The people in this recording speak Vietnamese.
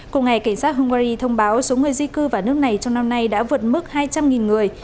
cùng ngày cảnh sát hungary thông báo số người di cư vào nước này trong năm nay đã vượt mức hai trăm linh người